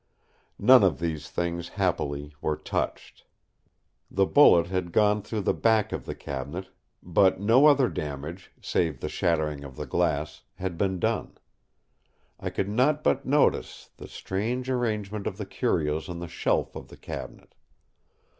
None of these things happily were touched. The bullet had gone through the back of the cabinet; but no other damage, save the shattering of the glass, had been done. I could not but notice the strange arrangement of the curios on the shelf of the cabinet.